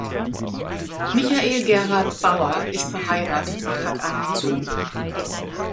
Michael Gerard Bauer ist verheiratet und hat einen Sohn.